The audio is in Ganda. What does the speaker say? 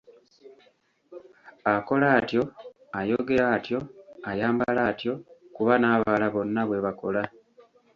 Akola atyo, ayogera atyo, ayambala atyo, kuba n'abalala bonna bwe bakola.